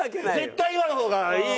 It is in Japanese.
絶対今の方がいい。